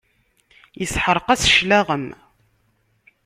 Isḥeṛq-as claɣem.